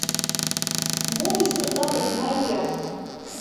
— Мом ӱскыртланет, Мария!